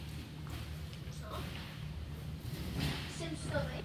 Hlavní oltář se nachází na východní stěně presbytáře.